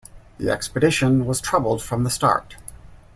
The expedition was troubled from the start.